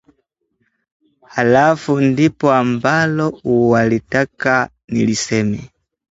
Halafu lipo ambalo walitaka niliseme